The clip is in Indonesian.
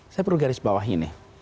saya perlu garis bawah ini